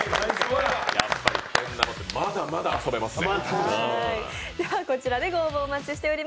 やっぱりけん玉ってまだまだ遊べますよ。